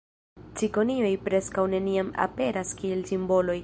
Cikonioj preskaŭ neniam aperas kiel simboloj.